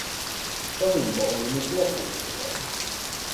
Sovinto oli nyt lopullinen.